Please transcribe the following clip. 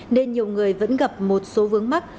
nên nhiều người vẫn gặp một số vướng mắt